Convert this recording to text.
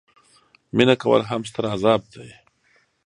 مینه کول هم ستر عذاب دي.